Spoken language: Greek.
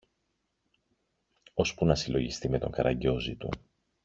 ώσπου να συλλογιστεί με τον καραγκιόζη του